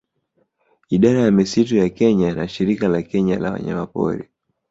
Idara ya misitu ya Kenya na Shirika la Kenya la Wanyamapori